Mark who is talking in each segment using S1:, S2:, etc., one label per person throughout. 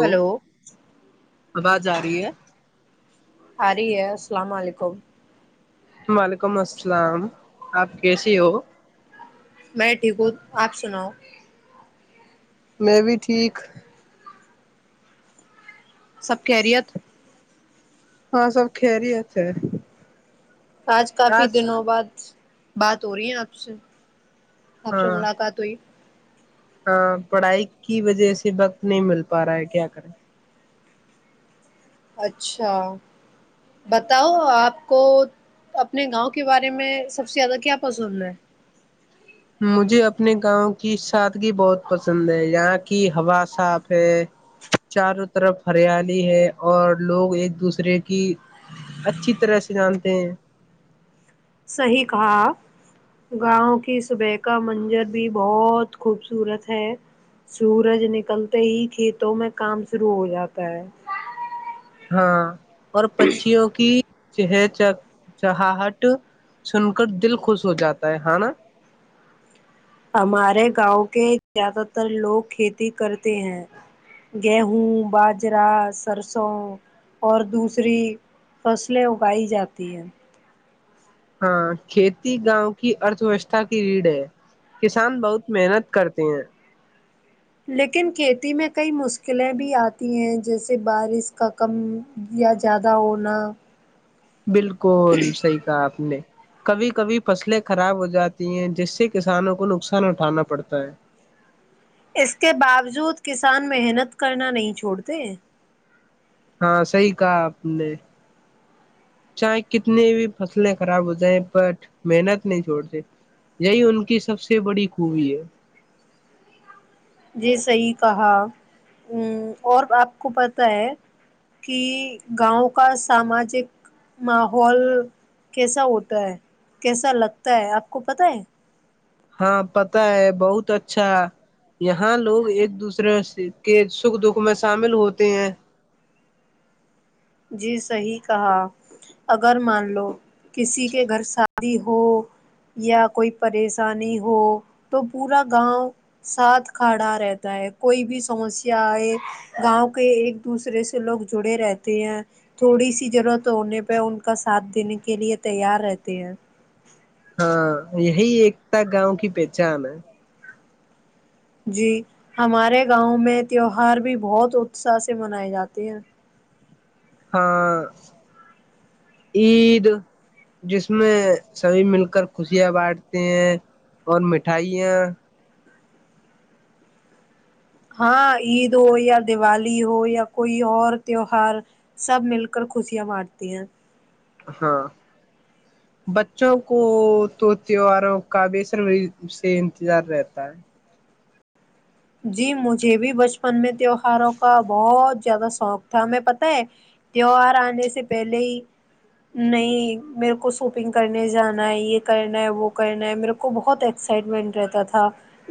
S1: hello
S2: جا رہی ہے
S1: آ رہی ہے
S2: وعلیکم السلام آپ کیسے ہو
S1: گو آپ سناؤ
S2: میں بھی ٹھیک
S1: سب کہہریت
S2: ہاں سب کہری ہے تھے
S1: آج کافی دنوں بعد بات ہو رہی ہے آپ سے آپ سے
S2: ہاں
S1: ملاقات ہوئی
S2: ہاں پڑھائی کی وجہ سے وقت نہیں مل پا رہا ہے کیا کریں
S1: اچھا بتاؤ آپ کو اپنے گاؤں کے بارے میں سب سے زیادہ کیا پسند ہے
S2: مجھے اپنے گاؤں کی سادگی بہت پسند ہے یہاں کی ہوا صاف ہے چاروں طرف ہریالی ہے اور لوگ ایک دوسرے کی اچھی طرح سے جانتے ہیں
S1: صی کہا گاؤں کی صبح کا منجر بھی بہت خوبصورت ہے سورج نکلتے ہی کھیتوں میں کام شروع ہو جاتا ہے
S2: ہاں اور پچیوں کی چہ چہاہٹ سن کر دل خوش ہو جاتا ہے ہ نا
S1: ہمارے گاؤں کے زیادہ تر لوگ کھیتی کرتے ہیں گیہوں باجرا سرسوں اور دوسری فصلیں اگائی جاتی ہے
S2: ہاں کھیتی گاؤں کی ارتھ ویوستھا کی ریڑ ہے کسان بہت محنت کرتے ہیں
S1: لیکن کھیتی میں کئی مشکلیں بھی آتی ہیں جیسے بارش کا کم یا زیادہ ہونا
S2: بالکل صحیح کہا آپ نے کبھی کبھی فصلیں خراب ہو جاتی ہیں جس سے
S1: اس کے باوجود کسان محنت کرنا نہیں چھوڑتے
S2: ہاں صحی کہا آپ نے چاہے کتنی بھی فصلیں خراب ہو جائیں بٹ محنت نہیں چھوڑتے یہی ان کی سب سے بڑی خوبی ہے
S1: جی صیح کہا ا اور آپ کو پتا ہے کہ گاؤں کا ساماجک ماحول کیسا ہوتا ہے کیسا لگتا ہے آپ کو پتا ہے
S2: ہاں پت ہے بہت اچھا یہاں لوگ ایک دوسرے کے سکھ دکھ میں شامل ہوتے ہیں
S1: جی صحی کہا اگر مان لو کسی کے گھر شادی ہو یا کوئی پریشانی ہو تو پورا گاؤں ساتھ گاؤں کے ایک دوسرے سے لوگ جڑے رہتے ہیں تھوڑی سی ضرورت ہونے پہ ان کا ساتھ دن کے لیے تیار رہتے ہیں
S2: ہاں یہی ایکتا گاؤں کی پہچان ہے
S1: جی ہمارے گاؤں میں تیوہار بھی بہت اتساہ سے منائے جاتے ہیں
S2: ہاں عید جس میں سبھی مل کر خوشیاں بانٹتے ہیں اور مٹھائیاں
S1: ہاں عید ہو یا دیوالی ہو یا کوئی اور تیوہار سب مل کر خوشیاں مارتی ہیں
S2: ہاں بچوں کو تو تہواروں کا بے سر سے انتظار رہتا ہے
S1: جی مجھے بھی بچپن میں تیوہاروں کا بہت زیادہ شوق تھا ہم پتہ ہے تہوہار آنے سے پہلے ہی نہیں میرے کو ساپنگ کرنے جانا ہے یہ کرنا ہے وہ کرنا ہے میرے کو بہت ایکسائٹمنٹ رہتا تھا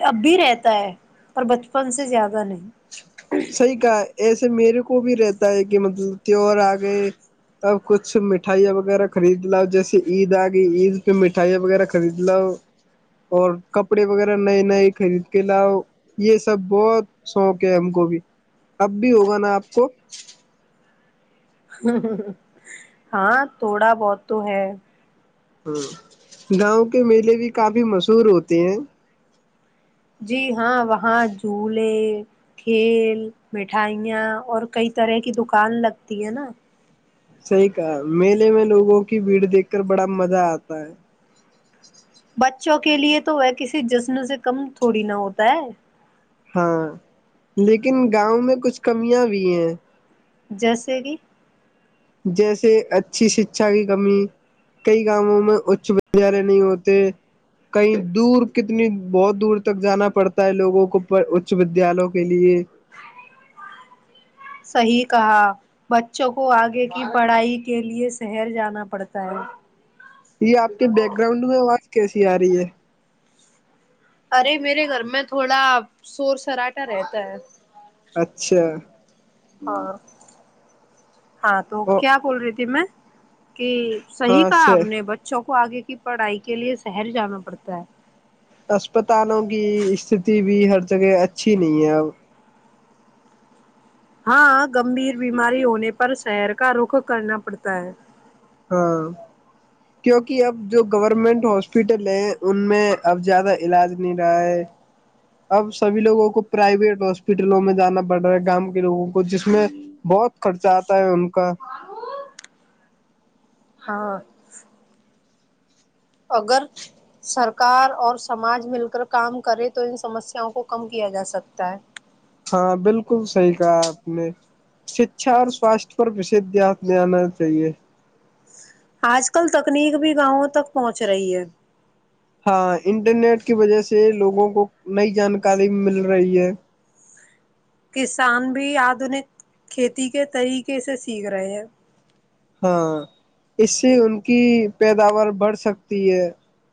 S1: اب بھی رہتا ہے پر بچپن سے زیادہ نہیں
S2: صحیح کہا ایسے میرے کو بھی رہتا ہے کہ مطلب تیوار آ گئے اب کچھ مٹھائیاں وغیرہ خرید لاؤ جیسے عید آ گئی عید پہ مٹھائیاں وغیرہ خرید لاؤ اور کپڑے وغیرہ نئے نئے خرید کے لاؤ یہ سب بہت سو کے کو بھی اب بھی ہوگا نا آپ کو
S1: ہاں تھوڑا بہت تو ہے
S2: ہاں گاؤں کے میلے بھی کافی مشہور ہوتے ہیں
S1: جی ہاں وہاں جھولے کھیل مٹھائیاں اور کئی طرح کی دکان لگتی ہے نا
S2: صحیح کہا میلے میں لوگوں کی بھیڑ دیکھ کر بڑا مزہ آتا ہے
S1: بچ [unintelligible] چوں کے لیے تو وہ کسی جشن سے کم تھوڑی نہ ہوتا ہے
S2: ہاں لیکن گاؤں میں کچھ کمیاں بھی ہیں
S1: جیسے بھی
S2: جیسے اچھی شکھا کی کمی کئی گؤوں میں اچ ودیالے نہیں ہوتے کہیں دور کتنی بہت دور تک جانا پڑتا ہے لوگوں کو اچ ودیالوں کے لیے
S1: صحیح کہا بچوں کو آگے کی پڑھائی کے لیے شہر جانا پڑتا ہے
S2: یہ آپ کے بیک گراؤنڈ میں آواز کیسی آ رہی ہے
S1: ارے میرے گھر میں تھوڑا شور سراٹا رہتا ہے
S2: اچھا
S1: اور ہاں تو
S2: ا
S1: کیا بول رہی تھی میں کہ صحیح
S2: ہاں
S1: کہا آ
S2: اچھا
S1: نے بچوں کو کو آگے کی پڑھائی کے لیے شہر جانا پڑتا ہے
S2: اسپتالوں کی استتی بھی ہر جگہ اچھی نہیں ہے اب
S1: ہاں گمبھیر بیماری ہونے پر شہر کا رخ کرنا پڑتا ہے
S2: ہاں کیونکہ اب جو گورنمنٹ ہاسپٹل ہیں ان میں اب زیادہ علاج نہیں رہا ہے اب سبھی لوگوں کو پرائیویٹ ہاسپٹلوں میں جانا پڑ رہا ہے گاں کے لوگوں کو جس میں بہت خرچہ آتا ہے ان کا
S1: ہاں [unintelligible] اگر سرکار اور سماج مل کر کام کرے تو ان سمسیاوں کو کم کیا جا سکتا ہے
S2: ہاں بالکل صحیح کہا آپ نے شکچھا اور سواستھ پر وشد دھیان دا چاہیے
S1: آج کل تکنیک بھی گاؤوں تک پہنچ رہی ہے
S2: ہاں انٹرنیٹ کی وجہ سے لوگوں کو نئی جانکاری مل رہی ہے
S1: کسان بھی آدنک کھیتی کے طریقے سے سیکھ رہے ہیں
S2: ہاں اس سے ان کی پیداوار بڑھ سکتی ہے [unintelligible]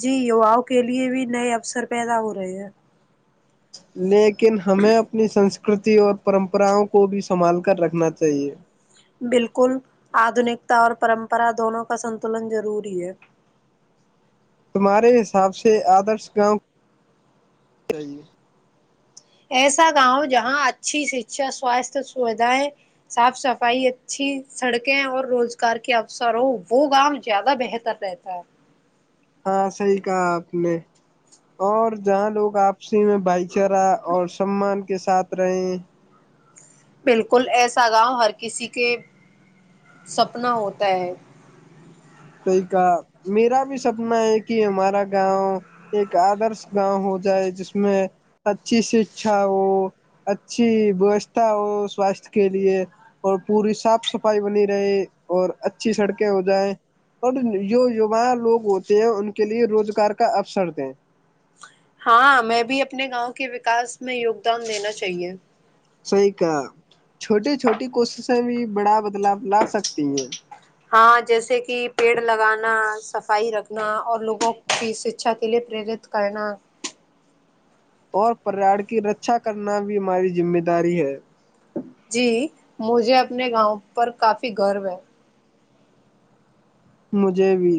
S1: جی یو آؤ [unintelligible] کے لیے بھی نئے اوسر پیدا ہو رہے ہیں [unintelligible]
S2: نیک [unintelligible] ن ہمیں اپنی سنسک [unintelligible] سکرتی اور پرمپراؤں کو بھی سنبھال کر رکھنا چاہیے [unintelligible]
S1: بالکل آدنکتا اور پرمپرا دونوں کا سنتلن ضروری ہے
S2: تمہارے حساب سے آدرش گاؤں چاہیے
S1: ایسا گاؤں جہاں اچھی شکشا سواستھ سویدھایں صاف صفائی اچھی سڑکیں اور روزگار کے اوسر ہو وہ گاؤں زیادہ بہتر رہتا ہے
S2: ہاں صحیح کہا آپ نے اور جہاں لوگ آپسی میں بائک چرا اور سمان [unintelligible] کے ساتھ رہیں [unintelligible]
S1: بالکل ایسا گاؤ ہر کسی کے سپنا ہوتا ہے
S2: صی کہا میرا بھی سپنا ہے کہ ہمارا گاؤں ایک آدرش گاؤں ہو جائے جس میں اچھی شکھا ہو اچھی ووستھا ہو سواستھ کے لیے اور پوری صاف صفائی بنی رہے اور اچھی سڑکیں ہو جائیں اور جو یوا لوگ ہوتے ہیں ان کے لیے روزگار کا اوسر دیں
S1: ہاں میں بھی اپنے گاؤں کے وکاس ہمیں یوگدان دینا چاہیے [unintelligible]
S2: صحی کہا چھوٹی چھوٹی کوششیں بھی بڑا بدلاؤ لا سکتی ہیں
S1: ہاں جیسے کہ پیڑ لگانا صفائی رکھنا اور لوگوں کی شکچھا کے لیے پرت کرنا
S2: اور پریار کی رکھا کرنا بھی ہماری ذمہ داری ہے
S1: جی مجھے اپنے گاؤں پر کافی گرو ہے
S2: مجھے بھی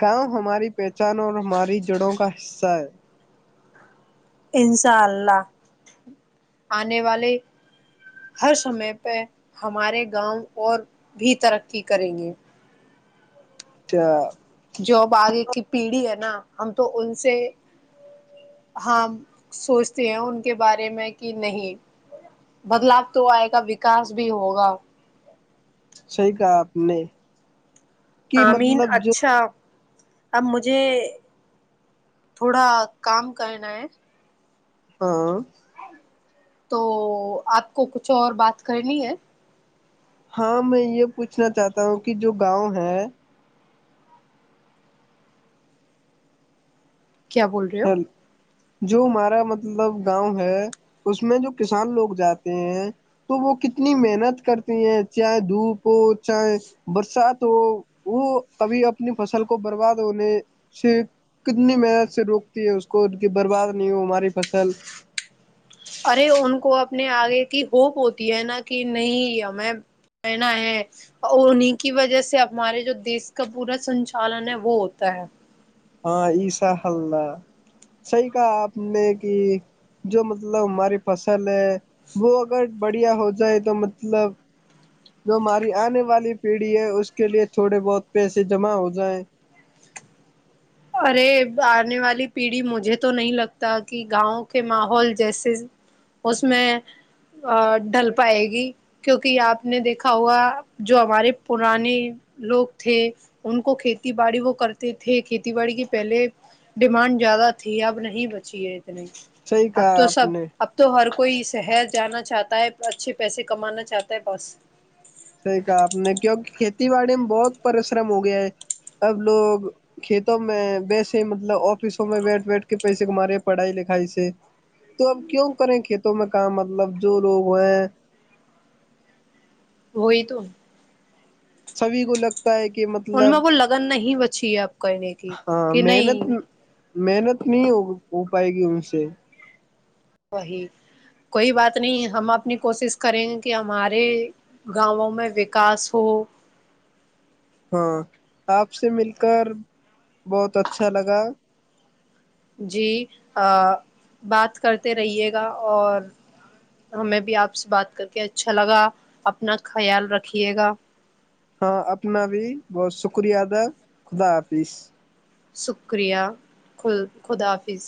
S2: گاؤں ہماری پہچان اور ہماری جڑوں کا حصہ ہے
S1: ان شاء اللہ آنے والے ہر سمے پہ ہمارے گاؤں اور بھی ترقی کریں گے
S2: اچھا
S1: جوب آگ کی پیڑھی ہے ن ہم تو ان سے ہماں سوچتے ہیں ان کے بارے میں کہ نہیں بدلاؤ تو آئے گا وکاس بھی ہوگا
S2: صحیح کہا آپ نے کہ
S1: آمین
S2: مطلب جو
S1: اچھا اب مجھے تھوڑا کام کرنا ہے
S2: ہاں
S1: تو آپ کو کچھ اور بات کرنی ہے
S2: ہاں میں یہ پوچھنا چاہتا ہوں کہ جو گاؤں ہے
S1: کیا بول رہے ہو
S2: جو ہمارا مطلب گاؤں ہے اس میں جو کسان لوگ جاتے ہیں تو وہ کتنی محنت کرتے ہیں چاہے دھوپ ہو چاہے برسات ہو وہ کبھی اپنی فصل کو برباد ہونے سے کتنی محنت سے روک اس کو کی برباد نہیں ہو ہماری فصل
S1: ارے ان کو اپنے آگے کی ہوپ ہوتی ہے نا کہ نہیں ہمیں بنا ہے اور انیں کی وجہ سے ہمارے جو دیس کا پورا سنچالن ہے وہ ہوتا ہے
S2: ہاں ایسا حللہ صحیح کہا آپ نے کہ جو مطلب ہماری فصل ہے وہ اگر بڑھیا ہو جائے تو مطلب جو ہماری آنے والی پیڑھی ہے اس کے لیے تھوڑے بہت پیسے جمع ہو جائےیں
S1: ارے آنے والی پیڑھی مجھے تو نہیں لگتا کہ گاؤں کے ماحول جیسے اس میں ڈھل پائے گی کیونکہ آپ نے دیکھا ہوا جو ہمارے پرانے لوگ تھے ان کو کھیتی باڑی وہ کرتے تھے کھیتی باڑی کے پہلے ڈیمانڈ زیادہ تھی اب نہیں بچی ہے نہیں
S2: صحیح
S1: اب
S2: کہا
S1: تو
S2: آپ
S1: سب
S2: نے
S1: اب تو ہر کوئی شہر جانا چاہتا ہے اچھے پیسے کمانا چاہتا ہے بس
S2: صحی کہا آپ نے کیوںکہ کھیتی باڑی میں بہت پریشرم ہو گیا ہے اب لوگ کھیتوں میں بییسے مطلب آفسوں میں بیٹھ بیٹھ کے پیسے کما رہے ہیں پڑھائی لکھائی سے تو اب کیوں کریں کھیتوں میں کام مطلب جو لوگ ہو ہیں
S1: ہوئی تو
S2: سبھی کو لک
S1: ان میں وہ لگن نہیں ب اچھی آپ
S2: ہاں محنت محنت نہیں ہوگی کو پائے گی ان سے
S1: وہی کوئی بات نہیں ہم اپنی کوشش کریں گے کہ ہمارے گاؤوں میں وکاس ہو
S2: ہاں آپ سے مل کر بہت اچھا لگا
S1: جی بات کرتے رہیے گا اور ہمیں بھی آپ سے بات کر کے اچھا لگا اپنا خیال رکھیے گا
S2: ہاں اپنا بھی بہت شکریہ ادا خدا حافظ
S1: شکریہ خ خدافظ